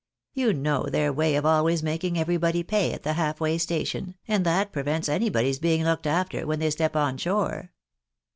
You know their way of always making everybody pay at the half way station, and that prevents anybody's being looked after, when they step on shore."